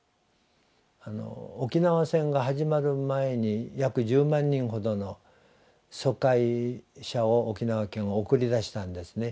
沖縄戦が始まる前に約１０万人ほどの疎開者を沖縄県は送り出したんですね